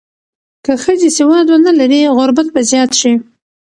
که ښځې سواد ونه لري، غربت به زیات شي.